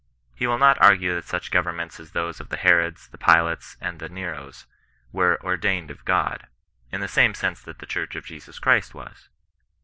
He will not argue that such governments as those of the Herods, the PUates, and the Neros, were " ordained of God," in the same sense that the Church of Jesus Christ was.